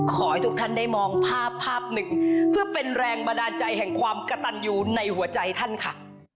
ขอให้ทุกท่านได้มองภาพภาพหนึ่งเพื่อเป็นแรงบันดาลใจแห่งความกระตันอยู่ในหัวใจท่านค่ะ